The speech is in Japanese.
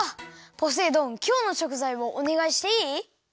ポセイ丼きょうのしょくざいをおねがいしていい？